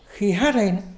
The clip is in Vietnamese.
khi hát lên